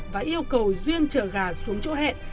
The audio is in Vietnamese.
và yêu cầu duyên chở gà xuống chỗ hẹn